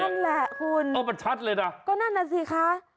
นั่นแหละคุณก็นั่นอ่ะสิคะเอาไปชัดเลยน่ะ